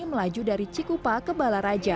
melaju dari cikupa ke bala raja